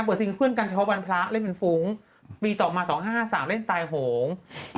มีเพื่อนกันเช้าบรรพละเล่นเป็นฟุ้งปีต่อมา๒๕๕๓เล่นตายโหง